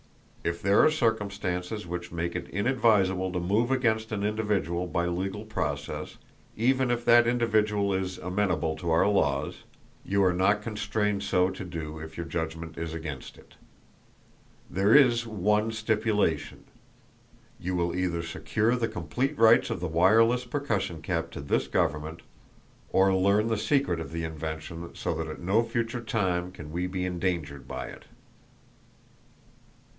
If there are circumstances which make it inadvisable to move against an individual by legal process, even if that individual is amenable to our laws, you are not constrained so to do if your judgment is against it. There is one stipulation: You will either secure the complete rights of the wireless percussion cap to this government or learn the secret of the invention so that at no future time can we be endangered by it."